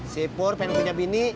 si pur pengen punya bini